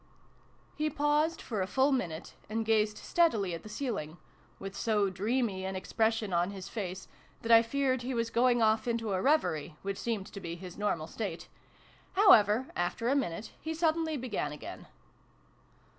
He paused for a full minute, and gazed steadily at the ceiling with so dreamy an expression on his face, that I feared he was going off into a reverie, which seemed to be his normal state. However, after a minute, he suddenly began again.